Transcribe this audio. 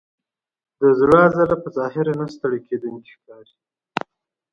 د زړه عضله په ظاهره نه ستړی کېدونکې ښکاري.